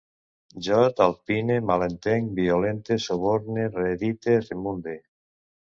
Jo talpine, malentenc, violente, suborne, reedite, munde